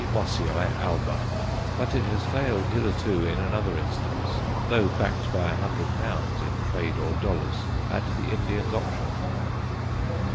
Mossiæ alba_, but it has failed hitherto in another instance, though backed by 100l., in "trade" or dollars, at the Indian's option.